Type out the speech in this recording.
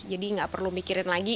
jadi nggak perlu mikirin lagi